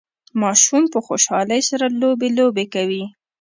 ماشوم په خوشحالۍ سره لوبي لوبې کوي